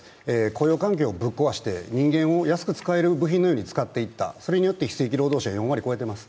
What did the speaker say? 雇用関係をぶっ壊して人間を安く使える部品のように使っていった、それによって非正規労働者が４割超えています。